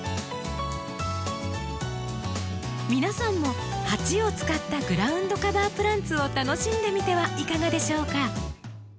皆さんも鉢を使ったグラウンドカバープランツを楽しんでみてはいかがでしょうか。